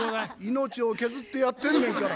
命を削ってやってんねんから。